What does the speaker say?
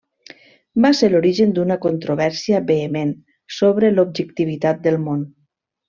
Va ser l'origen d'una controvèrsia vehement sobre l'objectivitat del món.